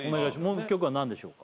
もう一曲は何でしょうか？